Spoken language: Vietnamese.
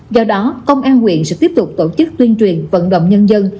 do đó công an quyện sẽ tiếp tục tổ chức tuyên truyền vận động nhân dân